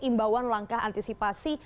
imbauan langkah antisipasi